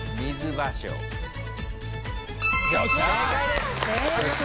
正解です。